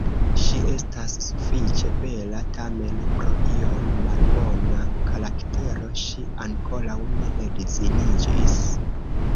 Ŝi estas sufiĉe bela, tamen pro iom malbona karaktero ŝi ankoraŭ ne edziniĝis.